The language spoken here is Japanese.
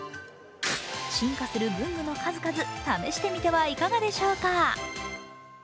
進化する文具の数々、試してみてはいかがでしょうか。